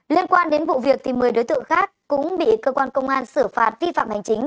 liên quan đến vụ việc một mươi đối tượng khác cũng bị cơ quan công an xử phạt vi phạm hành chính